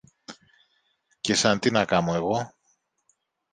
Και σαν τι να κάμω εγώ;